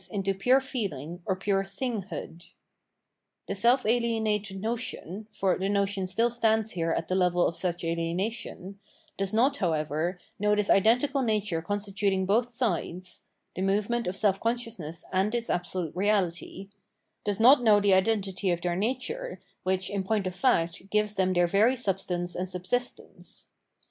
into pure feeling, or pure thing hood. The self ahenated notion — for the notion still stands here at the level of such ahenation — does not, however, know this identical nature constituting both sides, — the movement of self consciousness and its absolute Eeality, — does not know the identity of their nature, which, in point of fact gives them their very substance and sub sistence.